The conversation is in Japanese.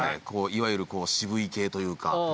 いわゆる渋い系というか。